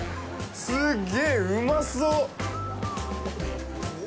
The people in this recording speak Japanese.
すっげぇうまそう！